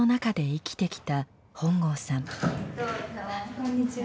こんにちは。